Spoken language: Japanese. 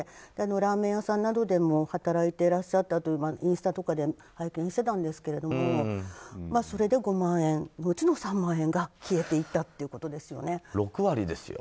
ラーメン屋さんなどでも働いていらっしゃっていたのはインスタとかで上げていたんですがそれで５万円のうちの６割ですよ。